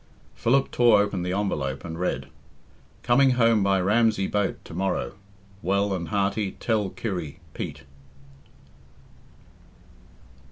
Philip tore open the envelope and read "Coming home by Ramsey boat to morrow well and hearty tell Kirry Peat." IV.